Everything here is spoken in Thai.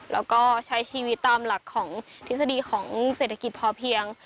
แล้วก็ใช้ชีวิตตามหลักของทฤษฎีของเศรษฐกิจพอเพียง